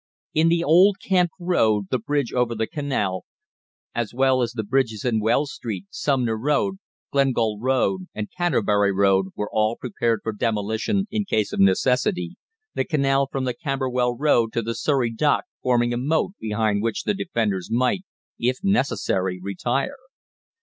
In the Old Kent Road the bridge over the canal, as well as the bridges in Wells Street, Sumner Road, Glengall Road, and Canterbury Road, were all prepared for demolition in case of necessity, the canal from the Camberwell Road to the Surrey Dock forming a moat behind which the defenders might, if necessary, retire.